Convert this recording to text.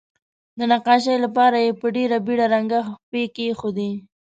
نقاشۍ لپاره یې په ډیره بیړه رنګه خپې کیښودې.